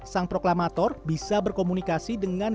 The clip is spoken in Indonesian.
sang proklamator bisa berkomunikasi dengan